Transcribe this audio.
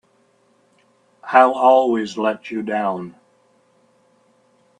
I'll always let you down!